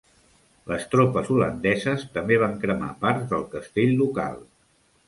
Les tropes holandeses també van cremar parts del castell local.